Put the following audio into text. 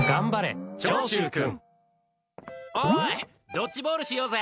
おい、ドッジボールしようぜ。